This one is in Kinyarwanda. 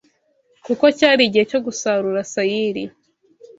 kuko cyari igihe cyo gusarura sayiri